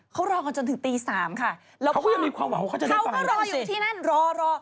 เขาก็รออยู่ที่นั่นรอ